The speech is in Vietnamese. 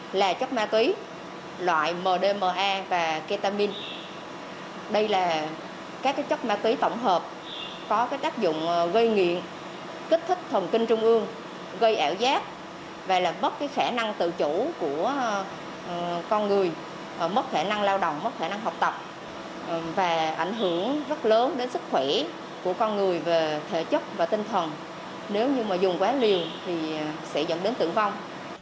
đây là chất ma túy loại mdma và ketamin đây là các chất ma túy tổng hợp có tác dụng gây nghiện kích thích thần kinh trung ương gây ảo giác và bất khả năng tự chủ của con người mất khả năng lao động mất khả năng học tập và ảnh hưởng rất lớn đến sức khỏe của con người về thể chất và tinh thần nếu dùng quá liều thì sẽ dẫn đến tử vong